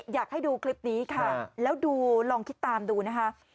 อยากให้ดูคลิปนี้ค่ะแล้วดูลองคิดตามดูนะคะ